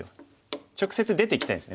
直接出ていきたいんですね